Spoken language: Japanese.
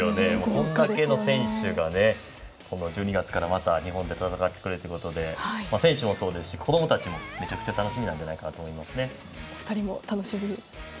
これだけの選手が１２月からまた日本で戦ってくれるということで選手もそうですし子どもたちもめちゃくちゃ楽しみなんじゃないかなとお二人も楽しみですね。